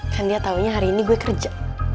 kan dia taunya hari ini gue kerja